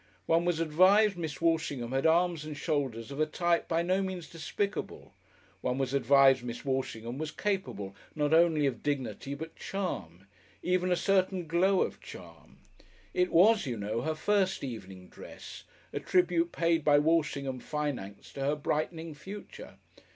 One was advised Miss Walshingham had arms and shoulders of a type by no means despicable, one was advised Miss Walshingham was capable not only of dignity but charm, even a certain glow of charm. It was, you know, her first evening dress, a tribute paid by Walshingham finance to her brightening future.